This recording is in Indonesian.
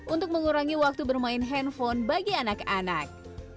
untuk mengurangi waktu bermain handphone bagi anak anak